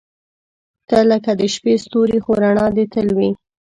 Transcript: • ته لکه د شپې ستوری، خو رڼا دې تل وي.